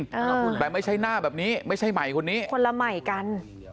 อ่าคุณแต่ไม่ใช่หน้าแบบนี้ไม่ใช่ใหม่คนนี้คนละใหม่กัน